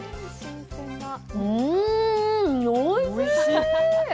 うーん、おいしい！